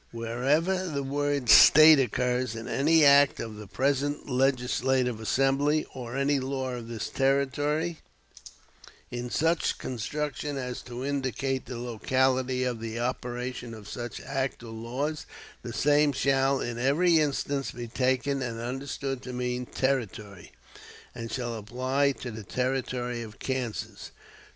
Wherever the word 'State' occurs in any act of the present legislative assembly, or any law of this Territory, in such construction as to indicate the locality of the operation of such act or laws, the same shall in every instance be taken and understood to mean 'Territory,' and shall apply to the Territory of Kansas."